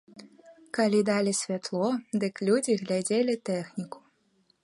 Калі далі святло, дык людзі глядзелі тэхніку.